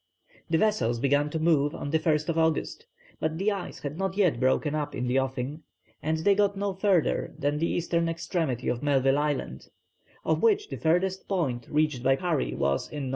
The vessels began to move on the 1st August, but the ice had not yet broken up in the offing, and they got no further than the eastern extremity of Melville Island, of which the furthest point reached by Parry was in N.